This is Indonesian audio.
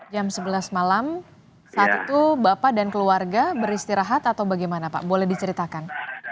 jam sebelas malam saat itu bapak dan keluarga beristirahat atau bagaimana pak boleh diceritakan